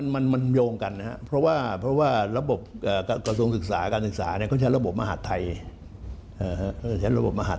มันโยงกันเพราะว่าระบบกระทรวงศึกษาการศึกษาก็ใช้ระบบมหัสไทย